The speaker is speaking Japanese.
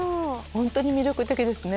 本当に魅力的ですね。